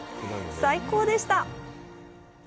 最高でした。